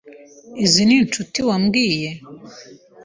Izi ninshuti wambwiye?